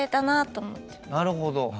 なるほど。